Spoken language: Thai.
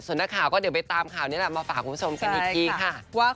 ส่วนนักข่าวก็เดี๋ยวไปตามข่าวนี้แหละมาฝากคุณผู้ชมกันอีกทีค่ะ